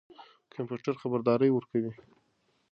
کمپيوټر خبردارى ورکوي.